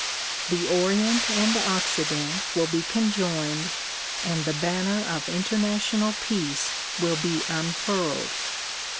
The Orient and Occident will be con joined and the banner of international peace will be unfurled.